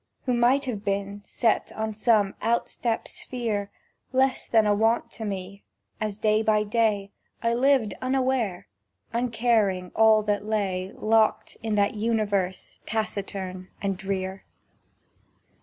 Who might have been, set on some outstep sphere, Less than a Want to me, as day by day I lived unware, uncaring all that lay Locked in that Universe taciturn and drear.